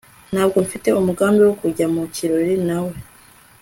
ntabwo mfite umugambi wo kujya mu kirori nawe